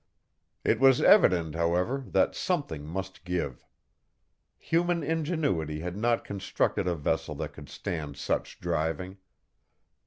It was evident, however, that something must give. Human ingenuity had not constructed a vessel that could stand such driving.